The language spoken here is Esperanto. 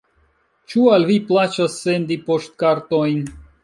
Ĉu al vi plaĉas sendi poŝtkartojn?